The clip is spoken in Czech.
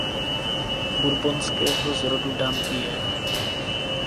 Bourbonského z rodu Dampierre.